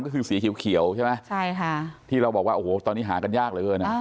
ก็คือสีเขียวใช่ไหมใช่ค่ะที่เราบอกว่าโอ้โหตอนนี้หากันยากเหลือเกิน